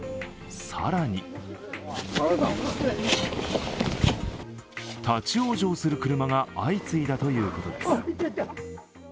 更に立往生する車が相次いだということです。